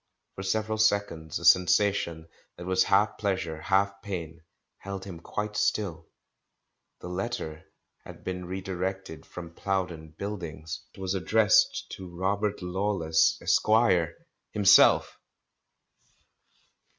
For several seconds a sensation that was half pleasure, half pain, held him quite still. The letter had been redirected from Plowden Build THE CALL FROM THE PAST 391 ings. It was addressed to "Robert Lawless, Esq.," — c|o himself!